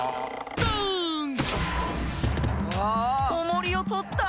おもりをとった！